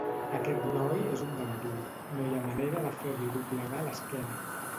Aquest noi és un gandul: no hi ha manera de fer-li doblegar l'esquena.